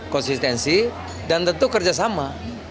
konsistensi dan tentu kerjasama